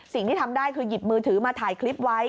สิ่งที่ทำได้คือหยิบมือถือมาถ่ายคลิปไว้